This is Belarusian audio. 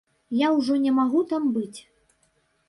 Я ўжо не магу там быць.